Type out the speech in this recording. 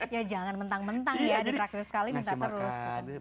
ya jangan mentang mentang ya diraktir sekali minta terus